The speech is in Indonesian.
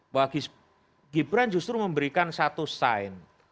bahwa gibran justru memberikan satu sign